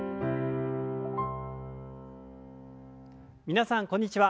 皆さんこんにちは。